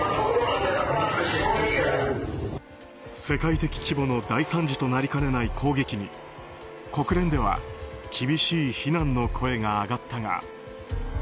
世界的規模の大惨事となりかねない攻撃に国連では厳しい非難の声が上がったが。